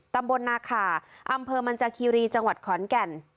ตำบลนาขาอำเภอมันจากคีรีจังหวัดขอนแก่น